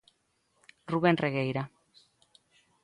Rubén Regueira.